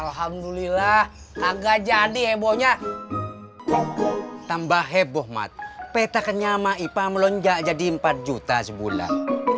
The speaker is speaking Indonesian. alhamdulillah agak jadi hebohnya tambah heboh mat peta kenyama ipa melonjak jadi empat juta sebulan